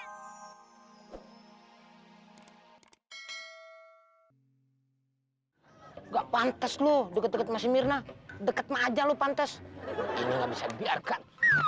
enggak pantes lu deket deket masih mirna deket aja lu pantes bisa biarkan